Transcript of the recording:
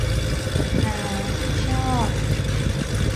ฮา ชอบ